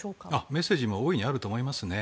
メッセージは大いにあると思いますね。